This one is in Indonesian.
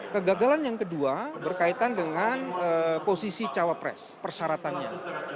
kegagalan yang kedua berkaitan dengan posisi cawapres persyaratannya